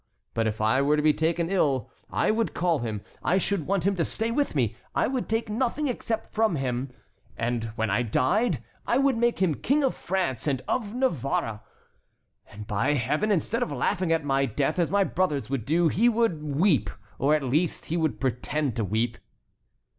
But if I were to be taken ill, I would call him, I should want him to stay with me, I would take nothing except from him, and when I died I would make him King of France and of Navarre. And by Heaven! instead of laughing at my death as my brothers would do, he would weep, or at least he would pretend to weep."